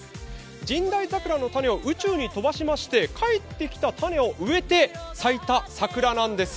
神代桜の種を宇宙に飛ばしまして、帰ってきた種を植えて咲いた桜なんです。